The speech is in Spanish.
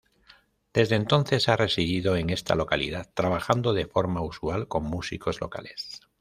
Desde entonces, ha residido en esta localidad, trabajando de forma usual con músicos locales.